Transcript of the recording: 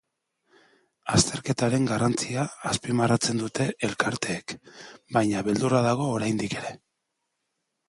Azterketaren garrantzia azpimarratzen dute elkarteek, baina beldurra dago oraindik ere.